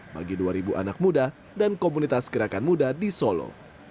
bagi dua anak muda dan komunitas gerakan muda di solo